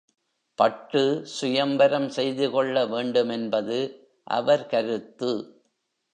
பட்டு சுயம்வரம் செய்துகொள்ள வேண்டுமென்பது அவர் கருத்து.